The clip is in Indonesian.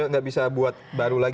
gak bisa buat baru lagi ya